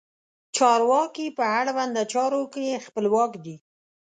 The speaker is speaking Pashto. چارواکي په اړونده چارو کې خپلواک دي.